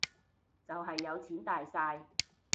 就係有錢大晒